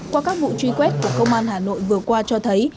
qua các vụ truy quét của công an hà nội vừa qua cho thấy